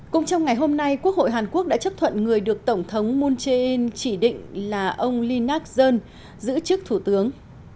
cũng trong ngày hôm nay quốc hội hàn quốc đã chấp thuận người được tổng thống moon jae in chỉ định là ông lee nak john giữ chức thủ tướng